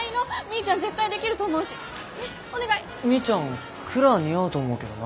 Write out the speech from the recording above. みーちゃんクラ似合うと思うけどな。